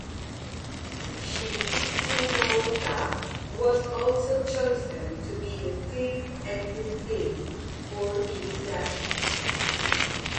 "Shinjitsu no Uta" was also chosen to be the fifth ending theme for "InuYasha".